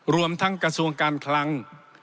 รวมทั้งกระทรวงการคลัง